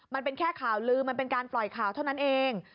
มันเป็นแค่ข่าวลืมมันเป็นการปล่อยข่าวเท่านั้นเอง